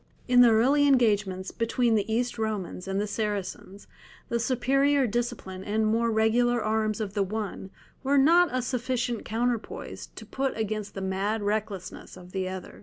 In the early engagements between the East Romans and the Saracens the superior discipline and more regular arms of the one were not a sufficient counterpoise to put against the mad recklessness of the other.